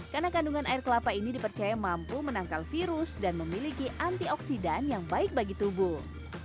karena kandungan air kelapa ini dipercaya mampu menangkal virus dan memiliki antioksidan yang baik bagi tubuh